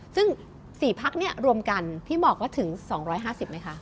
ซึ่ง๔พักเนี่ยรวมกันพี่บอกว่าถึง๒๕๐ไหมคะ